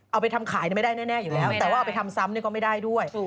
เอาไปทำขายไม่ได้แน่อยู่แล้วแต่ว่าเอาไปทำซ้ำก็ไม่ได้ด้วย